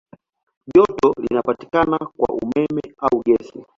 Joto linapatikana kwa umeme au gesi.